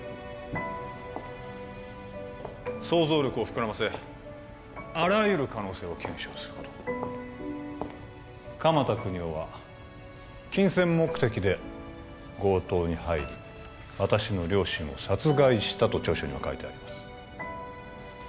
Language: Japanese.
想像力を膨らませあらゆる可能性を検証すること鎌田國士は金銭目的で強盗に入り私の両親を殺害したと調書には書いてあります